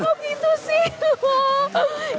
ya kok gitu sih